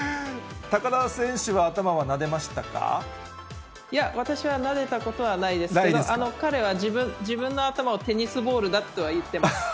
高田選手は、頭はなでましたいや、私はなでたことはないですけど、彼は自分の頭をテニスボールだとは言ってます。